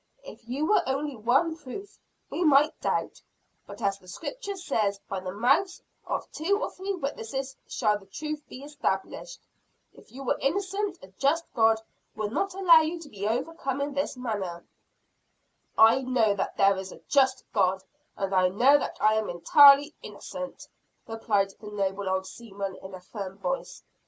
If there were only one proof, we might doubt; but as the Scripture says, by the mouths of two or three witnesses shall the truth be established. If you were innocent a just God would not allow you to be overcome in this manner." "I know that there is a just God, and I know that I am entirely innocent" replied the noble old seaman in a firm voice.